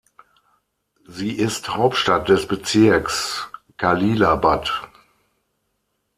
Sie ist Hauptstadt des Bezirks Cəlilabad.